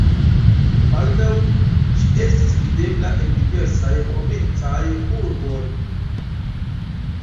Baldaŭ ŝi estis videbla en diversaj provincaj urboj.